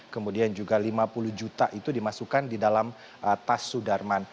kemudian juga lima puluh juta itu dimasukkan di dalam tas sudarman